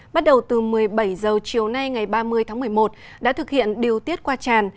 bắt đầu từ một mươi bảy h chiều nay ngày ba mươi tháng một mươi một đã thực hiện điều tiết qua tràn